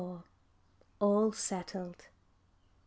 ALL SETTLED.